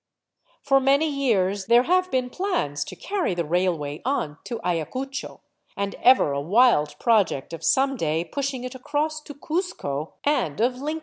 For many years there have been plans to carry the railway on to Ayacucho, and ever a wild project of some day pushing it across to Cuzco, and of linking i 340 o « to •s§ 0) o •a 8.